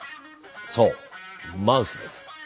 そうマウスです。